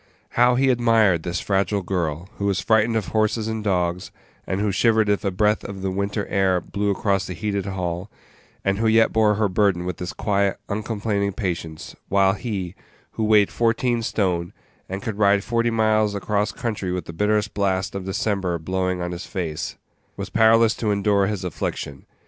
How he admired this fragile girl, who was frightened of horses and dogs, and who shivered if a breath of the winter air blew across the heated hall, and who yet bore her burden with this quiet, uncomplaining patience; while he, who weighed fourteen stone, and could ride forty miles across country with the bitterest blasts of December blowing on his face, was powerless to endure his affliction.